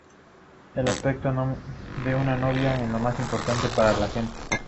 El aspecto de una novia es lo más importante para la gente.